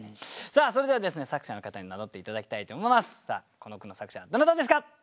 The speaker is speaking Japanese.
この句の作者はどなたですか？